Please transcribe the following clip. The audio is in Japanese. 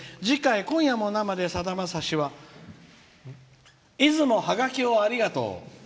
「今夜も生でさだまさし」は「出雲ハガキをありがとう！」。